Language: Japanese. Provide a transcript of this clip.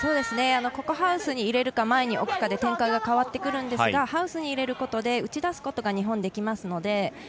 ここはハウスに入れるか前に置くかで展開が変わってくるんですがハウスに入れることで打ち出すことが日本、できますので。